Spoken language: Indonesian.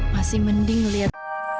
masih mending lihat